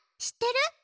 知ってる？